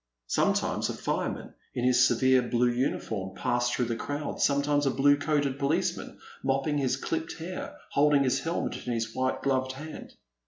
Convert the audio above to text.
Sometimes a fireman, in his severe blue uniform, passed through the crowd, sometimes a blue coated policeman, mopping his clipped hair, holding his helmet in his white gloved hand.